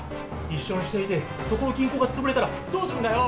一緒にしていて、そこの銀行が潰れたら、どうするんだよ。